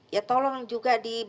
ya tolong juga dibersihkan ya bu